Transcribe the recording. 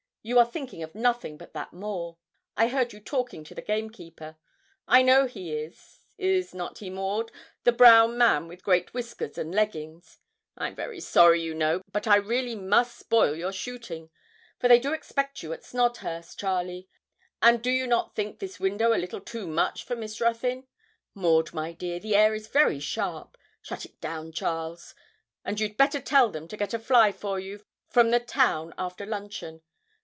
You are thinking of nothing but that moor; I heard you talking to the gamekeeper; I know he is is not he, Maud, the brown man with great whiskers, and leggings? I'm very sorry, you know, but I really must spoil your shooting, for they do expect you at Snodhurst, Charlie; and do not you think this window a little too much for Miss Ruthyn? Maud, my dear, the air is very sharp; shut it down, Charles, and you'd better tell them to get a fly for you from the town after luncheon.